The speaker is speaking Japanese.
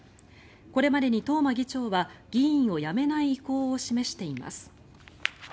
これまでに東間議長は議員を辞めない意向を示しています。